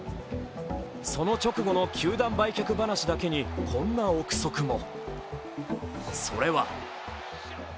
その直後の球団売却話だけにこんな憶測も。